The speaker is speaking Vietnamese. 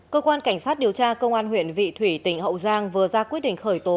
cơ quan cảnh sát điều tra công an huyện vị thủy tỉnh hậu giang vừa ra quyết định khởi tố